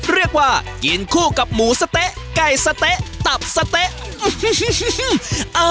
เรียกว่ากินคู่กับหมูสะเต๊ะไก่สะเต๊ะตับสะเต๊ะ